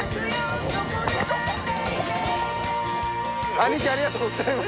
兄貴ありがとうございます！